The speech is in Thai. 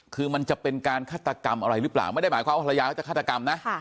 คือมันจะเป็นการฆาตกรรมอะไรหรือเปล่าไม่ได้หมายความว่าภรรยาเขาจะฆาตกรรมนะ